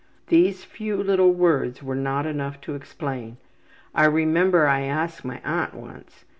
These few little words were not enough to explain. I remember I asked my aunt once.